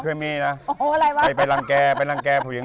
เคยมีนะใครไปรังแก่ไปรังแก่ผู้หญิง